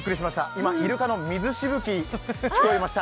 今、イルカの水しぶき聞こえました。